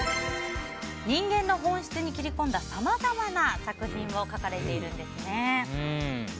人間の本質に切り込んださまざまな作品を書かれているんですね。